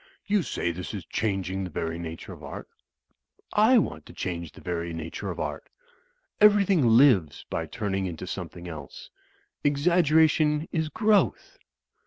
"You say this is changing the very nature of Art. I want to change the very nature of Art. Everjrthing lives by turning into something else. Exaggeration is growth."